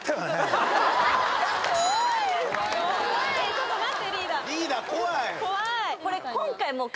ちょっと待ってリーダー